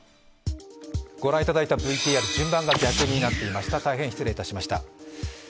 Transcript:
御覧頂いたＶＴＲ順番が逆になっていました、大変失礼いたしました。